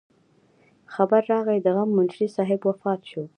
خبر راغے د غم منشي صاحب وفات شو